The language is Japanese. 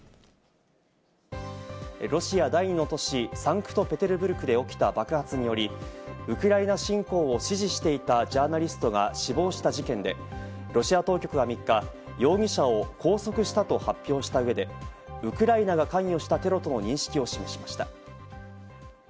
ロシア第２の都市サンクトペテルブルクで起きた爆発により、ウクライナ侵攻を支持していたジャーナリストが死亡した事件で、ロシア当局は３日、容疑者を拘束したと発表した上でウクライナが関与したテロとの認識を示しました。